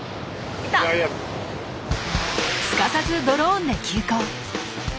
すかさずドローンで急行。